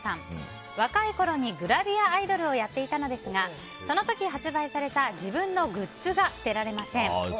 若いころにグラビアアイドルをやっていたのですがその時、発売された自分のグッズが捨てられません。